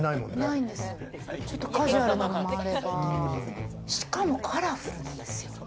カジュアルなのもあれば、しかもカラフルですよ。